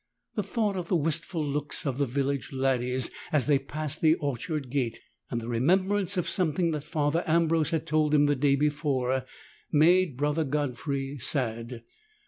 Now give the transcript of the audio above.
The thought of the wistful looks of the village laddies as they passed the orchard gate, and the remembrance of something that Father Ambrose had told him the day before, made Brother God frey sad.